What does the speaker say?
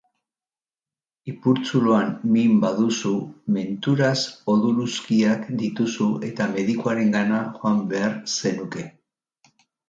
Ipurtzuloan min baduzu, menturaz odoluzkiak dituzu eta medikuarengana joan behar zenuke.